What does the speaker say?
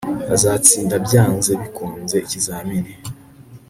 Azatsinda byanze bikunze ikizamini